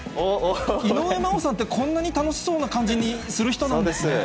井上真央さんって、こんなに楽しそうな感じにする人なんですね。